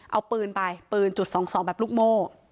เอาปืนไปปืนจุดสองสองแบบลูกโม่